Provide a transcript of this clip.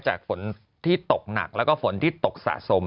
ฝนที่ตกหนักแล้วก็ฝนที่ตกสะสม